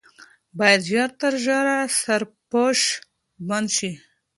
باید ژر تر ژره سرپوش بند شي.